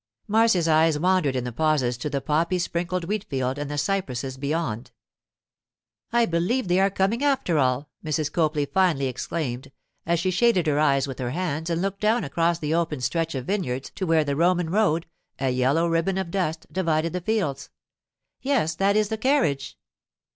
Marcia's eyes wandered in the pauses to the poppy sprinkled wheat field and the cypresses beyond. 'I believe they are coming, after all!' Mrs. Copley finally exclaimed, as she shaded her eyes with her hands and looked down across the open stretch of vineyards to where the Roman road, a yellow ribbon of dust, divided the fields. 'Yes, that is the carriage!